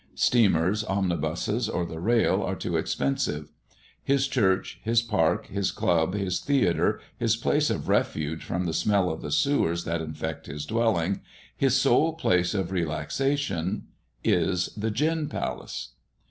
Steamers, omnibuses, or the rail, are too expensive. His church, his park, his club, his theatre, his place of refuge from the smell of the sewers that infect his dwelling his sole place of relaxation is the gin palace.